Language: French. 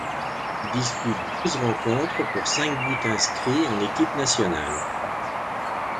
Il dispute douze rencontres pour cinq buts inscrits en équipe nationale.